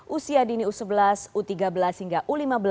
usia dini u sebelas u tiga belas hingga u lima belas